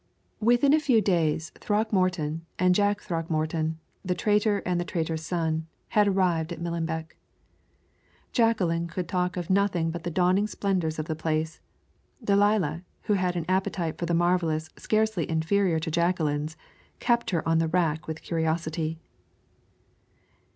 Within a few days Throckmorton and Jack Throckmorton the traitor and the traitor's son had arrived at Millenbeck. Jacqueline could talk of nothing but the dawning splendors of the place. Delilah, who had an appetite for the marvelous scarcely inferior to Jacqueline's, kept her on the rack with curiosity.